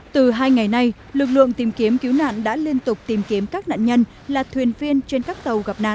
từ hai ngày nay lực lượng tìm kiếm cứu nạn đã liên tục tìm kiếm các nạn nhân là thuyền viên trên các tàu gặp nạn